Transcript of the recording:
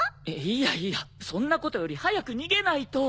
いやいやそんなことより早く逃げないと。